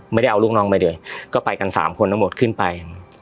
ไม่ได้เอาลูกน้องไปเลยก็ไปกันสามคนทั้งหมดขึ้นไป